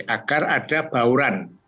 agar ada bahuran